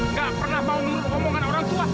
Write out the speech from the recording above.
nggak pernah mau menurut omongan orang tua